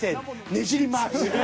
ねじり回し。